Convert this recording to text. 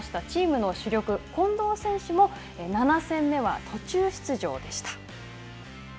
チームの主力・近藤選手も７戦目は途中出場でした。